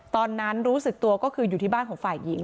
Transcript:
ตอนนั้นรู้สึกตัวก็คืออยู่ที่บ้านของฝ่ายหญิง